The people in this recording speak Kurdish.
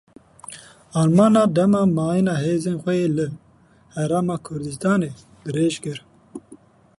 Almanya dema mayîna hêzên xwe yên li Herêma Kurdistanê dirêj kir.